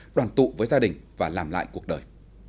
đoàn tụ với gia đình và làm lại cuộc đời